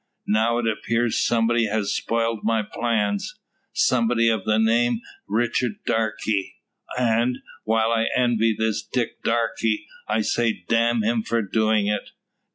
Now, it appears, somebody has spoilt my plans somebody o' the name Richard Darke. An', while I envy this Dick Darke, I say damn him for doin' it!"